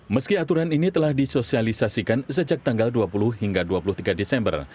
meski aturan ini telah disosialisasikan sejak tanggal dua puluh hingga dua puluh tiga desember